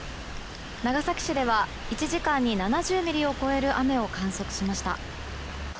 長崎市では１時間に７０ミリを超える雨を観測しました。